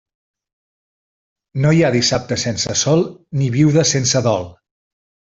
No hi ha dissabte sense sol, ni viuda sense dol.